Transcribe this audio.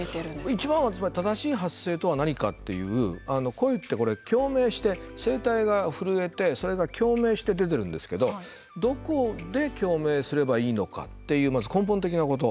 いちばんは、つまり正しい発声とは何かっていう声って共鳴して、声帯が震えてそれが共鳴して出てるんですけどどこで共鳴すればいいのかっていう、まず根本的なこと。